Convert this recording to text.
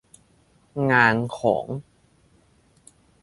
งานของ